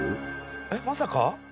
えっまさか？